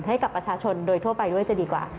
ให้กับประชาชนโดยทั่วไปด้วยจะดีกว่า